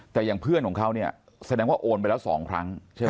แต่อย่างเพื่อนของเขาเนี่ยแสดงว่าโอนไปแล้ว๒ครั้งใช่ไหม